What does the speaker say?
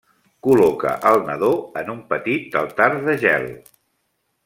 Col·loca el nadó en un petit altar de gel.